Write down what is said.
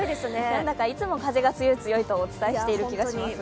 なんだかいつも風が強い強いとお伝えしているような気がします。